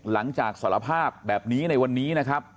หลังจากสารภาพแบบนี้ในวันนี้นะครับ